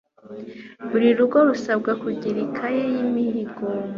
Buri rugo rusabwa kugira ikaye y'imihigo,